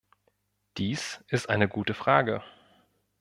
Dies ist eine gute Frage.